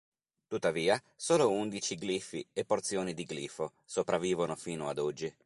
Tuttavia, solo undici glifi e porzioni di glifo sopravvivono fino ad oggi.